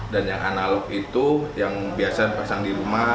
dan yang analog itu yang biasa dipasang di rumah